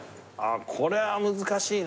これは難しいな。